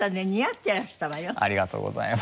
ありがとうございます。